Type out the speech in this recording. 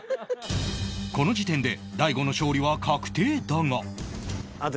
この時点で大悟の勝利は確定だが